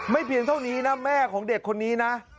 เพียงเท่านี้นะแม่ของเด็กคนนี้นะ